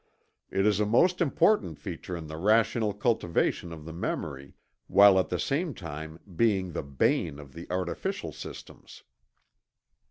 It is a most important feature in the rational cultivation of the memory, while at the same time being the bane of the artificial systems.